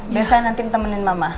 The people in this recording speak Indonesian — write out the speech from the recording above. biasanya nanti temenin mama